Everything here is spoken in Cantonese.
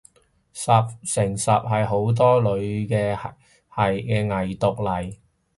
十成十係好多女嘅偽毒嚟